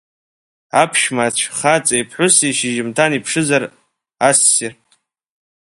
Аԥшәмацә хаҵеи ԥҳәыси шьыжьымҭан иԥшызар, ассир!